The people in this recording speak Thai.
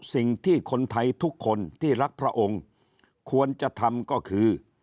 สิ่งที่คนไทยทุกคนที่รักพระองค์ควรจะทำก็คือ